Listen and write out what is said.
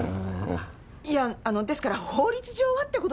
いやあのですから法律上はってことですよ。